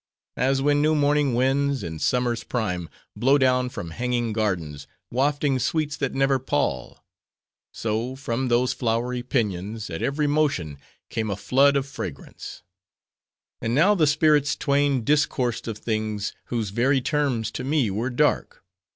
As when new morning winds, in summer's prime, blow down from hanging gardens, wafting sweets that never pall; so, from those flowery pinions, at every motion, came a flood of fragrance. "And now the spirits twain discoursed of things, whose very terms, to me, were dark.